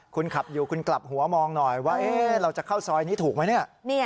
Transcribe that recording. คุณขับอยู่คุณกลับหัวมองหน่อยว่าเราจะเข้าซอยนี้ถูกไหมเนี่ย